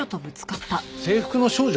制服の少女？